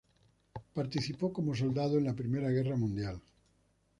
Participó como soldado en la Primera Guerra Mundial.